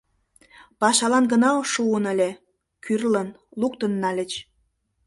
Пашалан гына шуын ыле — кӱрлын, луктын нальыч.